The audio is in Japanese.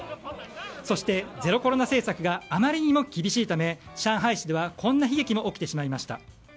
そしてゼロコロナ政策があまりにも厳しいため上海市では、こんな悲劇も起きてしまいました。